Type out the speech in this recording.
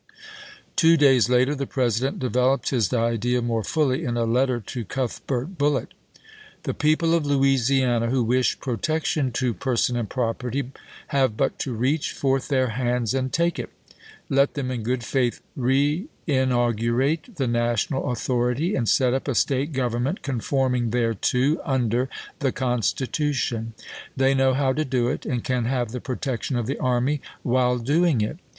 Two days later the President developed his idea more fully in a letter to Cuthbert Bullitt : The people of Louisiana who wish protection to per son and property, have but to reach forth their hands and take it. Let them in good faith reinaugurate the national authority and set up a State government con forming thereto under the Constitution. They know how to do it, and can have the protection of the army while doing it.